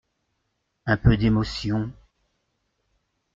Un peu d’émotion…